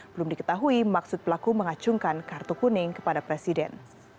belum diketahui maksud pelaku mengacungkan kartu kuning kepada presiden